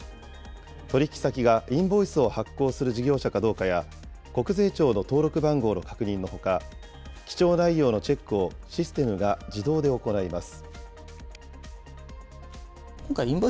取り引き先がインボイスを発行する事業者かどうかや、国税庁の登録番号の確認のほか、記帳内容のチェックをシステムが自動で行います。